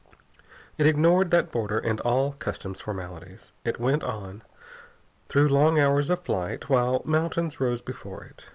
It ignored that border and all customs formalities. It went on, through long hours of flight, while mountains rose before it.